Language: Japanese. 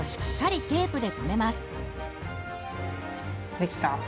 できた？